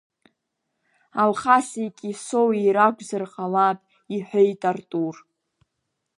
Алхаси Кьесоуи ракәзар ҟалап, — иҳәеит Артур.